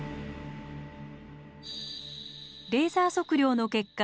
レーザー測量の結果